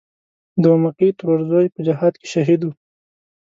د اومکۍ ترور زوی په جهاد کې شهید و.